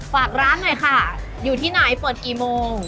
ฝากร้านหน่อยค่ะอยู่ที่ไหนเปิดกี่โมง